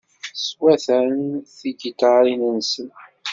Swatan tigiṭarin-nsen.